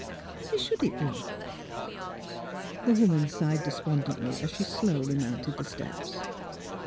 Why should it be? " The woman sighed despondently as she slowly mounted the steps.